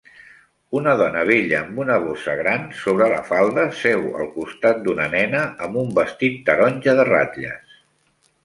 Una dona vella amb una bossa gran sobre la falda seu al costat d'una nena amb un vestit taronja de ratlles